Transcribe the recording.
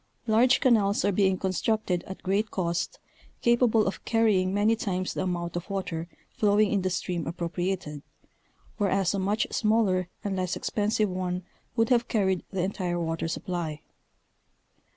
Large canals are being constructed. at great cost, capable of carrying many times the amount of water flowing in the stream appropriated, whereas a much smaller and less expensive one would have carried the entire water supply.